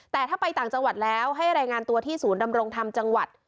แต่ถ้าไปต่างจังหวัดแล้วให้รายงานตัวที่ศูนย์ดำรงธรรมจังหวัด